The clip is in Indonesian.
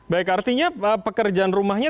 baik artinya pekerjaan rumahnya